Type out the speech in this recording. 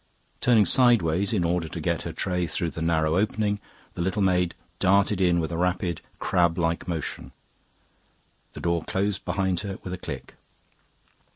Turning sideways in order to get her tray through the narrow opening, the little maid darted in with a rapid crab like motion. The door closed behind her with a click.